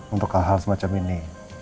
untuk hal hal semacam ini